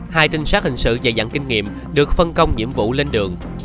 hai trinh sát hình sự dạy dặn kinh nghiệm được phân công nhiệm vụ lên đường